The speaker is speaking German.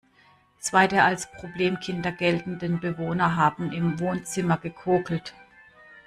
Zwei der als Problemkinder geltenden Bewohner haben im Wohnzimmer gekokelt.